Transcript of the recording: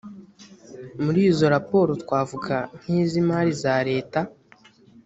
muri izo raporo twavuga nkizimari z’areta